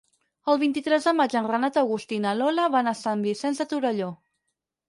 El vint-i-tres de maig en Renat August i na Lola van a Sant Vicenç de Torelló.